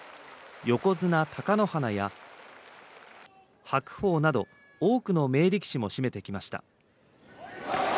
横綱貴乃花や白鵬など多くの名力士も締めてきました。